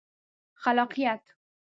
خلاقیت